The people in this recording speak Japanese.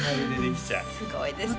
すごいですね